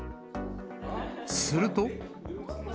すると。